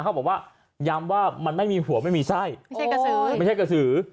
เขาบอกว่าย้ำว่ามันไม่มีหัวไม่มีไส้ไม่ใช่กระสือไม่ใช่กระสือ